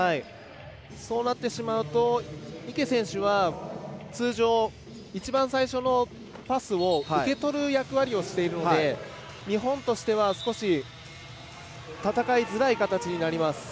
そうなってしまうと池選手は通常一番最初のパスを受け取る役割をしているので日本としては少し戦いづらい形になります。